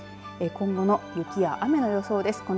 今後の雪や雨の予想です。